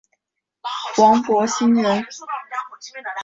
王柏心人。